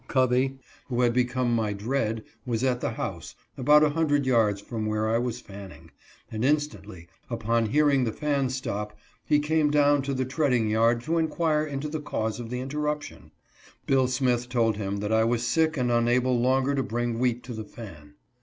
Covey, who had become my dread, was at the house, about a hundred yards from where I was fanning, and instantly, upon hearing the fan stop, he came down to the treading yard to inquire into the cause of the inter ruption. Bill Smith told him that I was sick and unable longer to bring wheat to the fan.